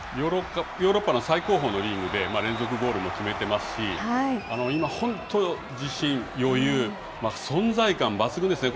ヨーロッパの最高峰のリーグで連続ゴールも決めてますし、今、本当自信、余裕、存在感抜群ですね。